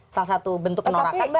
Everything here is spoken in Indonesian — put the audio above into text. salah satu bentuk norakan mbak